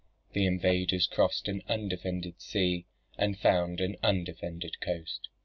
The invaders crossed an undefended sea, and found an undefended coast.